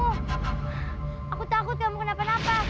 aku takut kamu kenapa napa